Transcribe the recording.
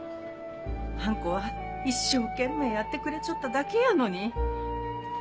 あん子は一生懸命やってくれちょっただけやのに。